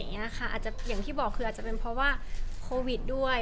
อาจจะอย่างที่บอกคืออาจจะเป็นเพราะว่าโควิดด้วย